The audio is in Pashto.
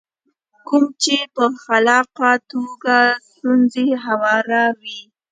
کوم چې په خلاقه توګه ستونزې هواروي.